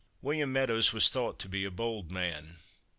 William Meadows was thought to be a bold man.